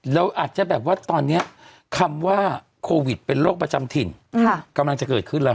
เราอาจจะแบบว่าตอนนี้คำว่าโควิดเป็นโรคประจำถิ่นกำลังจะเกิดขึ้นแล้ว